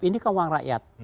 ini kan uang rakyat